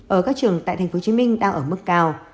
ở các trường tại tp hcm đang ở mức cao